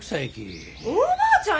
おばあちゃん